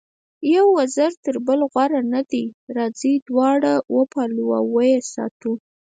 یو وزر تر بل غوره نه دی، راځئ دواړه وپالو او ویې ساتو.